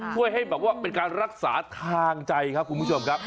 ช่วยให้เป็นการรักษาทางใจครับคุณผู้ชมครับ